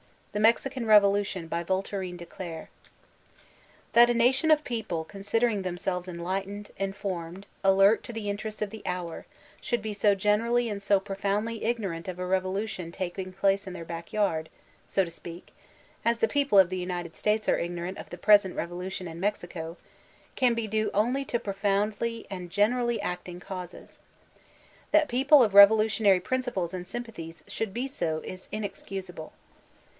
The Mexican Revolution THAT a nation of people considering themselves en lightened, informed, alert to the interests of the hoar, should be so generally and so profoundly ignorant of a revolution taking place in their backyard, so to speak, as the people of the United States are ignorant of the present revolution in Mexico, can be due only to profoundly and generally acting causes. That people of revolutionary princq>les and sympathies should be so, is tnexcusable.